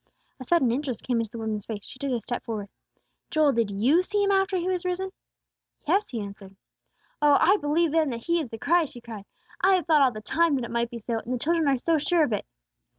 A sudden interest came into the woman's face; she took a step forward. "Joel, did you see Him after He was risen?" "Yes," he answered. "Oh, I believe then that He is the Christ!" she cried. "I have thought all the time that it might be so, and the children are so sure of it."